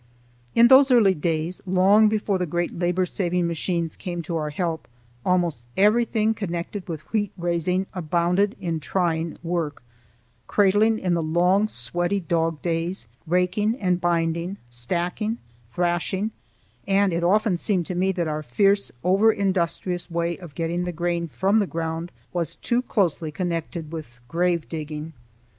In those early days, long before the great labor saving machines came to our help, almost everything connected with wheat raising abounded in trying work,—cradling in the long, sweaty dog days, raking and binding, stacking, thrashing,—and it often seemed to me that our fierce, over industrious way of getting the grain from the ground was too closely connected with grave digging.